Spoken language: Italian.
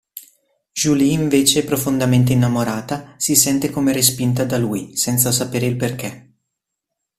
Julie invece profondamente innamorata, si sente come respinta da lui, senza sapere il perché.